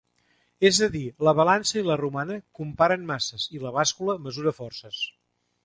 És a dir, la balança i la romana comparen masses i la bàscula mesura forces.